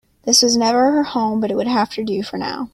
This was never her home, but it would have to do for now.